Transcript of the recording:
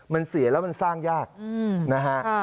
มันเสียแล้วมันสร้างยากนะฮะ